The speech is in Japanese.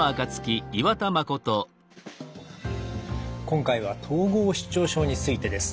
今回は統合失調症についてです。